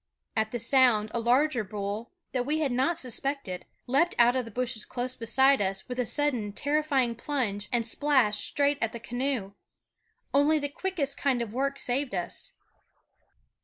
At the sound a larger bull, that we had not suspected, leaped out of the bushes close beside us with a sudden terrifying plunge and splashed straight at the canoe. Only the quickest kind of work saved us.